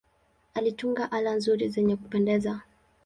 Alitunga ala nzuri zenye kupendeza.